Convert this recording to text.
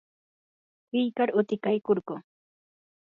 qillqar utikaykurquu.